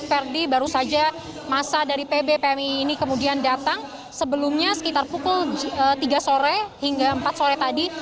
verdi baru saja masa dari pb pmi ini kemudian datang sebelumnya sekitar pukul tiga sore hingga empat sore tadi